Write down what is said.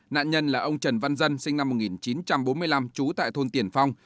nạn nhân là ông trần văn dân sinh năm một nghìn chín trăm bốn mươi năm trú tại thôn tiển phong